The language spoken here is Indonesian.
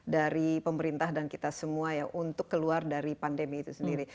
dari pemerintah dan kita semua ya untuk keluar dari pandemi itu sendiri